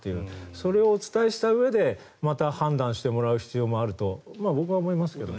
それをお伝えしたうえでまた判断してもらう必要もあると僕は思いますけどね。